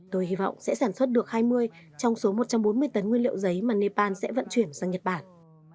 tôi hy vọng sẽ sản xuất được hai mươi trong số một trăm bốn mươi tấn nguyên liệu giấy mà nepal sẽ vận chuyển sang nhật bản